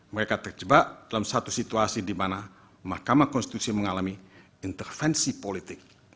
mereka terjebak dalam satu situasi di mana mahkamah konstitusi mengalami intervensi politik